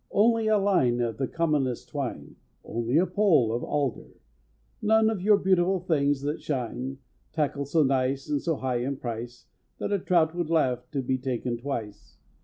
Only a line of the commonest twine, Only a pole of alder; None of your beautiful things that shine— Tackle so nice and so high in price That a trout would laugh to be taken twice.